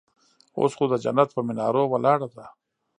اوس خو د جنت پهٔ منارو ولاړه ده